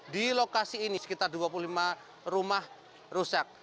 di lokasi ini sekitar dua puluh lima rumah rusak